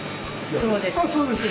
そうです。